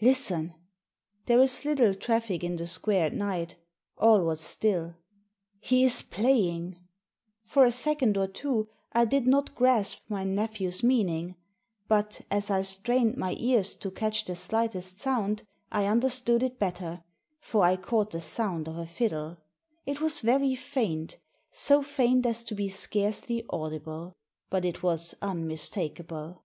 Digitized by VjOOQIC no THE SEEN AND THE UNSEEN " Listen !" There is little traffic in the square at night All was stilL " He is playing !" For a second or two I did not grasp my nephew's meaning. But, as I strained my ears to catch the slightest sound, I understood it better, for I caught the sound of a fiddle. It was very faint, so faint as to be scarcely audible. But it was unmistakable.